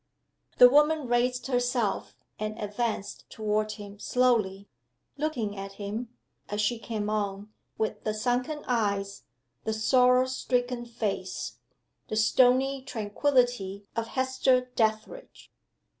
The woman raised herself, and advanced toward him slowly looking at him, as she came on, with the sunken eyes, the sorrow stricken face, the stony tranquillity of Hester Dethridge.